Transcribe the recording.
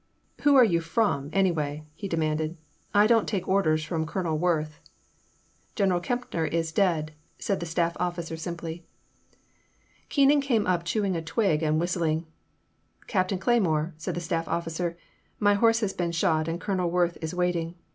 Who are you from, anyway ?" he demanded. I don't take orders from Colonel Worth.'* ''General Kempner is dead/' said the staff officer simply. Keenan came up chewing a twig and whistling. ''Captain Cleymore,'* said the staff officer, " my horse has been shot and Colonel Worth is waiting.